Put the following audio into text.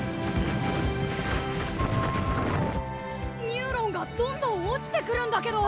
ニューロンがどんどん落ちてくるんだけど。